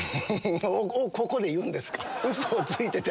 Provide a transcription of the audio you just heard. ここで言うんですか？